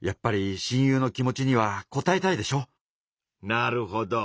なるほど。